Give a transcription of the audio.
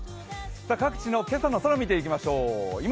各地の今朝の空見ていきましょう。